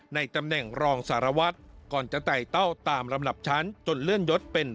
ในตำแหน่งรองสารวัตรก่อนจะไต่เต้าตามลำดับชั้นจนเลื่อนยศเป็น